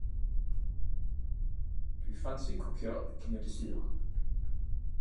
Dw i ffansi cwcio cinio dydd Sul.